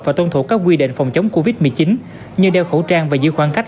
và tuân thủ các quy định phòng chống covid một mươi chín như đeo khẩu trang và giữ khoảng cách